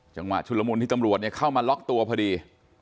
จังหวะชุดละมุนที่ตำรวจเข้ามาล็อกตัวพอดี